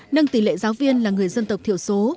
nâng tỷ lệ giáo viên là người dân tộc thiểu số